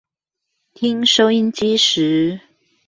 聽收音機時